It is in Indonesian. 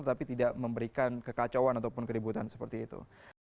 tapi tidak memberikan kekacauan ataupun keributan seperti itu